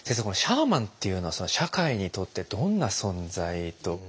このシャーマンっていうのは社会にとってどんな存在と？